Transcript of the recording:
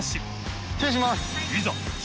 ▲蕁失礼します。